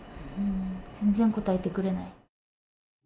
全然答えてくれない。